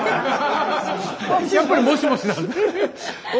やっぱり「もしもし」なんですね。